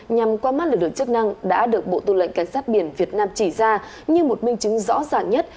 nhằm qua mắt lực lượng chức năng đã được bộ tư lệnh cảnh sát biển việt nam chỉ ra như một minh chứng rõ ràng nhất